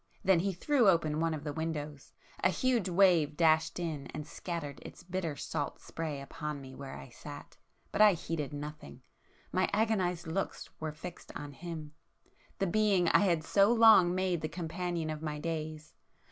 Then he threw open one of the windows,—a huge wave dashed in and scattered its bitter salt spray upon me where I sat,—but I heeded nothing,—my agonised looks were fixed on Him,—the Being I had so long made the companion of my days.